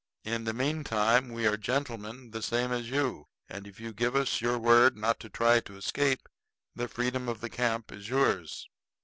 In the meantime we are gentlemen the same as you. And if you give us your word not to try to escape, the freedom of the camp is yours."